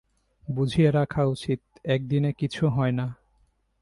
বুঝিয়া রাখা উচিত, একদিনে কিছু হয় না।